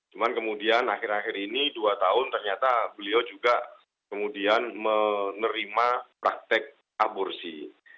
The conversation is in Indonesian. cuman kemudian akhir akhir ini dua tahun ternyata beliau juga kemudian menerima praktek aborsi